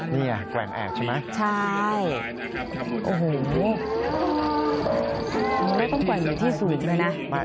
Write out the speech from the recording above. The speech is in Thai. นี่แกร่งแอพใช่ไหม